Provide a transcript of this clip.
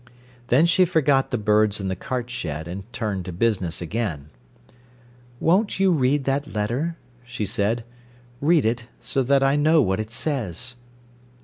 Then she forgot the birds in the cart shed, and turned to business again. "Won't you read that letter?" she said. "Read it, so that I know what it says."